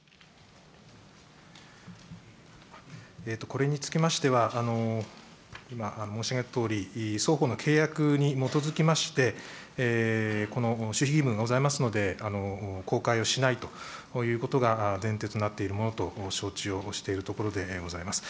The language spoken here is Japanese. これにつきましては、今、申し上げたとおり、双方の契約に基づきまして、この守秘義務がございますので、公開をしないということがとなっているものと承知をしているところでございます。